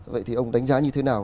vậy thì ông đánh giá như thế nào